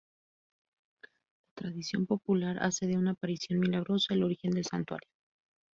La tradición popular hace de una aparición milagrosa el origen del santuario.